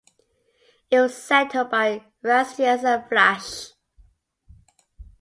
It was settled by Rascians and Vlachs.